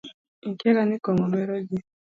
Ikiaga ni kong'o meroji.